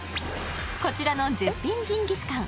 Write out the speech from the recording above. こちらの絶品ジンギスカン